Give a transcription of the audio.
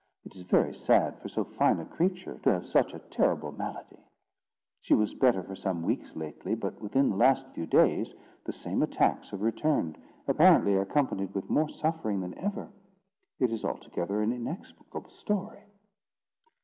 It is very sad for so fine a creature to have such a terrible malady. She was better for some weeks lately, but within the last few days the same attacks have returned, apparently accompanied with more suffering than ever. It is altogether an inexplicable story."